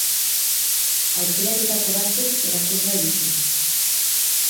Aukeratutako batzuk erakusgai ditu.